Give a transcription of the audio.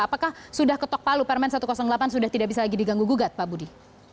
apakah sudah ketok palu permen satu ratus delapan sudah tidak bisa lagi diganggu gugat pak budi